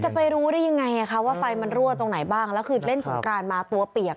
จะไปรู้ได้ยังไงคะว่าไฟมันรั่วตรงไหนบ้างแล้วคือเล่นสงกรานมาตัวเปียก